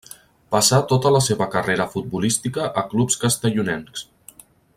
Passà tota la seva carrera futbolística a clubs castellonencs.